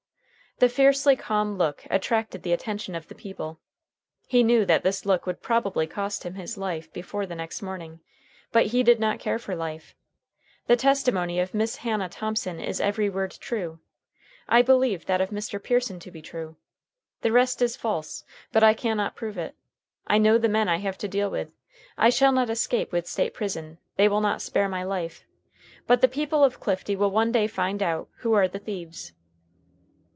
The fiercely calm look attracted the attention of the people. He knew that this look would probably cost him his life before the next morning. But he did not care for life. "The testimony of Miss Hannah Thomson is every word true, I believe that of Mr. Pearson to be true. The rest is false. But I can not prove it. I know the men I have to deal with. I shall not escape with State prison. They will not spare my life. But the people of Clifty will one day find out who are the thieves."